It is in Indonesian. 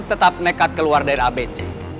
tetap nekat keluar dari abc